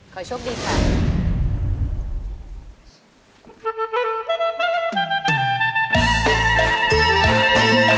ขอโชคดีค่ะ